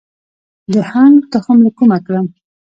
د هنګ تخم له کومه کړم؟